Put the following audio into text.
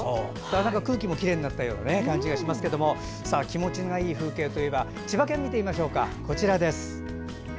空気もきれいになったような感じがしますけど気持ちがいい風景といえば千葉県を見てみましょうか。